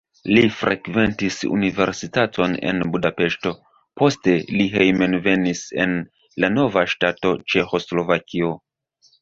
Li frekventis universitaton en Budapeŝto, poste li hejmenvenis en la nova ŝtato Ĉeĥoslovakio.